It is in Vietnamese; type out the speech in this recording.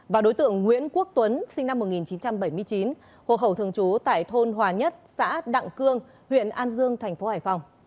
và đối tượng nguyễn quốc tuấn sinh năm một nghìn chín trăm bảy mươi chín hộ khẩu thường trú tại thôn hòa nhất xã đặng cương huyện an dương tp hcm